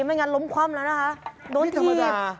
ไม่งั้นล้มคว่ำแล้วนะคะโดนถีบ